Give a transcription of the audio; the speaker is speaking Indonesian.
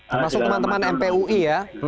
termasuk teman teman mpui ya